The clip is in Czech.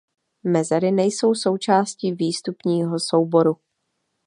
Mezery nejsou součástí výstupního souboru.